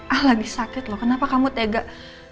a lagi sakit loh kenapa kamu tegak